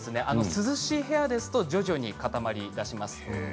涼しい部屋ですと徐々に固まりだします。